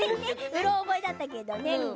うろ覚えだったけどね。